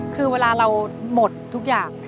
คือเวลาเราหมดทุกอย่าง